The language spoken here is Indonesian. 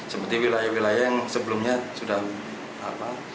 seperti wilayah wilayah yang sebelumnya sudah apa